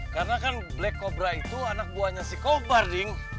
karena kan black cobra itu anak buahnya si kobar ding